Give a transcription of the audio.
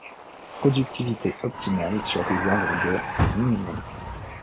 Productivité optimale sur des arbres de minimum.